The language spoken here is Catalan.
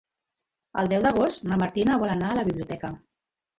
El deu d'agost na Martina vol anar a la biblioteca.